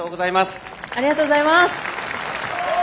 ありがとうございます！